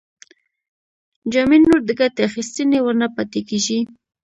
جامې نور د ګټې اخیستنې وړ نه پاتې کیږي.